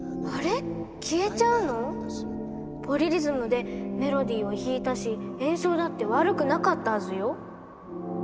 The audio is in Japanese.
ポリリズムでメロディーを弾いたし演奏だって悪くなかったはずよ。